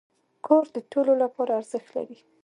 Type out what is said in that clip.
کور د ټولو لپاره ارزښت لري.